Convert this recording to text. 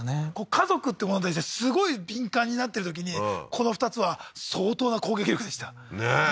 家族ってものに対してすごい敏感になってるときにこの２つは相当な攻撃力でしたねえ